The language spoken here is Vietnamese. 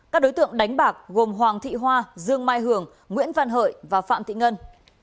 các đối tượng đánh bạc gồm hoàng thị hoa dương mai hưởng nguyễn văn hội và phạm thị ngân